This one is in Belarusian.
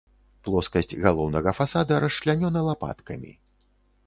Плоскасць галоўнага фасада расчлянёна лапаткамі.